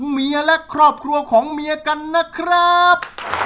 เมียและครอบครัวของเมียกันนะครับ